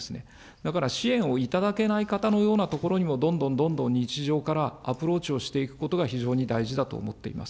だから支援をいただけないような方の所にも、どんどんどんどん日常からアプローチをしていくことが非常に大事だと思っています。